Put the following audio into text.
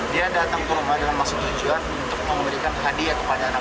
kita akan belajar lebih baik ke depannya